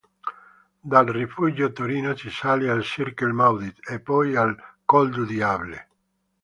Dal Rifugio Torino si sale al "Circle Maudit" e poi al "Col du Diable".